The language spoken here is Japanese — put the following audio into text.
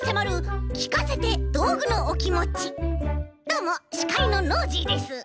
どうもしかいのノージーです。